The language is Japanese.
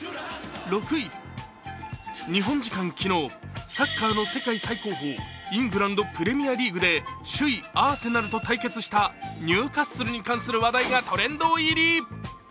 日本時間昨日、サッカーの世界最高峰、イングランドのプレミアリーグで首位アーセナルと対決したニューカッスルに関する話題がトレンド入り。